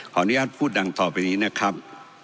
อนุญาตพูดดังต่อไปนี้นะครับ